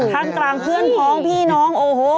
กลางเพื่อนพ้องพี่น้องโอ้โห